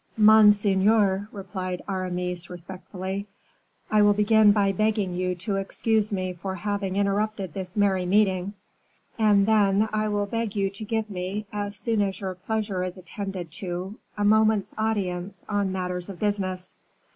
"Monseigneur," replied Aramis, respectfully, "I will begin by begging you to excuse me for having interrupted this merry meeting; and then, I will beg you to give me, as soon as your pleasure is attended to, a moment's audience on matters of business."